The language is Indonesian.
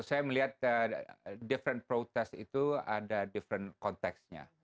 saya melihat protes berbeda itu ada konteks berbeda